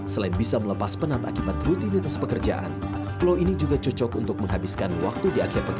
selain bisa melepas penat akibat rutinitas pekerjaan pulau ini juga cocok untuk menghabiskan waktu di akhir pekan